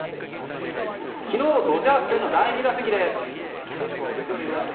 昨日、ドジャース戦の第２打席です。